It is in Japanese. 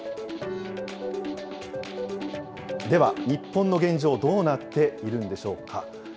では日本の現状、どうなっているんでしょうか。